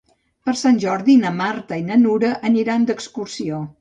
Per Sant Jordi na Marta i na Nura aniran d'excursió.